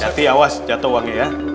jati awas jatuh uangnya ya